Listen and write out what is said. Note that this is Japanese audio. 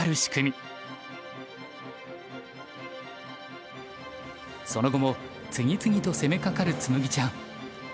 その後も次々と攻めかかる紬ちゃん。